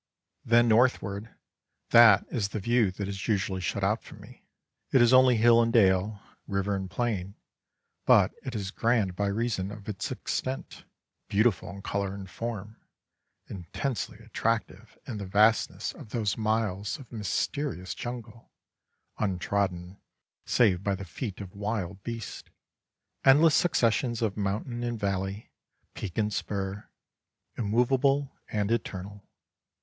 Then northward, that is the view that is usually shut out from me. It is only hill and dale, river and plain, but it is grand by reason of its extent, beautiful in colour and form, intensely attractive in the vastness of those miles of mysterious jungle, untrodden, save by the feet of wild beasts; endless successions of mountain and valley, peak and spur, immovable and eternal.